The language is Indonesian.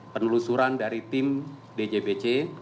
penelusuran dari tim djbc